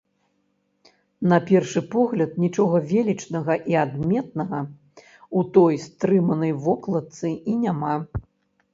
На першы погляд нічога велічнага і адметнага ў той стрыманай вокладцы і няма.